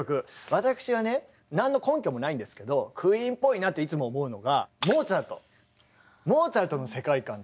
私はね何の根拠もないんですけどクイーンっぽいなっていつも思うのがモーツァルト。